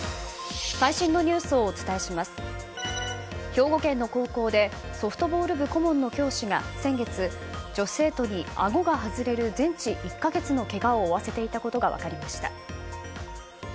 兵庫県の高校でソフトボール部顧問の教師が先月、女生徒に、あごが外れる全治１か月のけがを負わせていたことが分かりました。